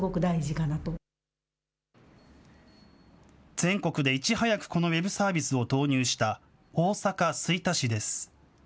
全国でいち早くこのウェブサービスを導入した大阪・吹田市です。